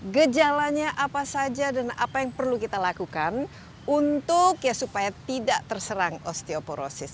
gejalanya apa saja dan apa yang perlu kita lakukan untuk ya supaya tidak terserang osteoporosis